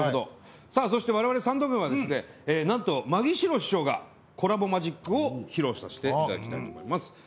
さぁそして我々サンド軍はですねなんとマギー司郎師匠がコラボマジックを披露させていただきたいと思います。